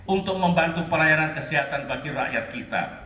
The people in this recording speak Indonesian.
untuk membantu pelayanan kesehatan bagi rakyat kita